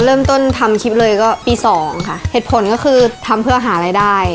เริ่มต้นทำคลิปเลยก็ปีสองค่ะเหตุผลก็คือทำเพื่อหารายได้